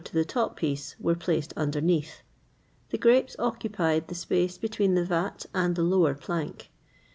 to the top piece, were placed underneath. The grapes occupied the space between the vat and the lower plank.